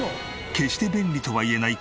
決して便利とは言えない